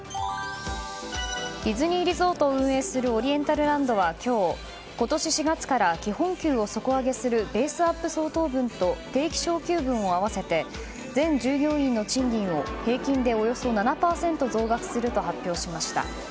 ディズニーリゾートを運営するオリエンタルランドは今日、今年４月から基本給を底上げするベースアップ相当分と定期昇給分を合わせて全従業員の賃金を平均でおよそ７％増額すると発表しました。